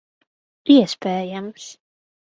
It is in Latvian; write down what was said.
Iespējams.